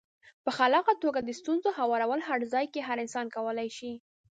په خلاقه توګه د ستونزو هوارول هر ځای کې هر انسان کولای شي.